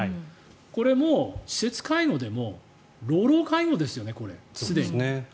これも、施設介護でも老老介護ですよね、すでに。